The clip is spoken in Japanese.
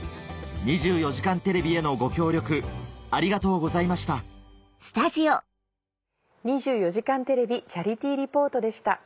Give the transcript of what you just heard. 『２４時間テレビ』へのご協力ありがとうございました「２４時間テレビチャリティー・リポート」でした。